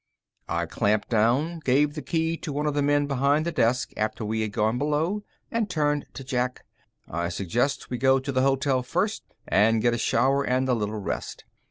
I clamped down, gave the key to one of the men behind the desk after we had gone below, and turned to Jack. "I suggest we go to the hotel first and get a shower and a little rest.